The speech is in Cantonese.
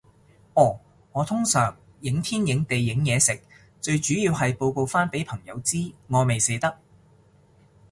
哦，我通常影天影地影嘢食，最主要係報告返畀朋友知，我未死得